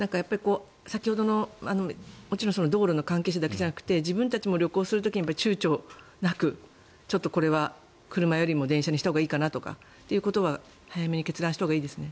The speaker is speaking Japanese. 先ほどの、もちろん道路の関係者だけじゃなくて自分たちも旅行する時に躊躇なく、これは車よりも電車にしたほうがいいかなとかということは早めに決断したほうがいいですね。